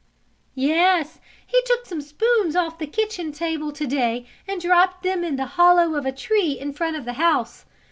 "Yes, he took some spoons off the kitchen table to day and dropped them in the hollow of a tree in front of the house.